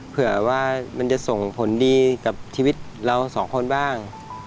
เผื่อว่ามันจะส่งผลดีกับชีวิตเราสองคนบ้าง